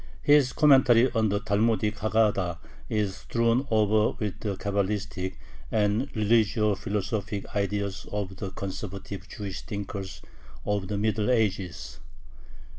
His commentary on the Talmudic Haggada is strewn over with Cabalistic and religio philosophic ideas of the conservative Jewish thinkers of the Middle Ages.